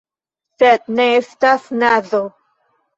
Sed ne estas nazo.